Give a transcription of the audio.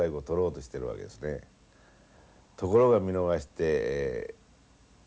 ところが見逃してきた。